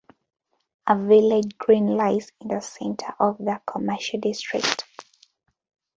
A village green lies in the center of the commercial district.